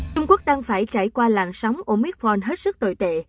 trung quốc đang phải trải qua làn sóng omitforn hết sức tồi tệ